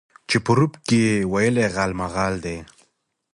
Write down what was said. چې په رود کې ولې غالمغال دى؟